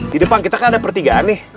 di depan kita kan ada pertigaan nih